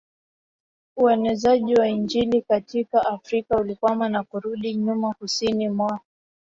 uenezaji wa Injili katika Afrika ulikwama na kurudi nyuma Kusini mwa